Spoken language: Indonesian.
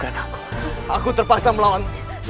ayah aku terpaksa melawan